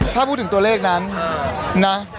ถ้าพูดถึงตัวเลขนั้นนะ